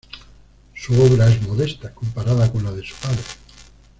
Su obra es modesta, comparada con la de su padre.